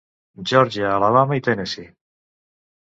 Geòrgia, Alabama i Tennessee.